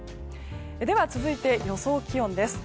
では、続いて予想気温です。